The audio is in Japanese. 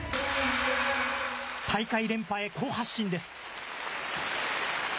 大会連覇へ好発進です。